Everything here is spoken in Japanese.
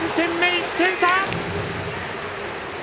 １点差！